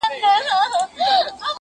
د غوڅولو اعلان کړی وو -